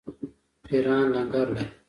پیران لنګر لري.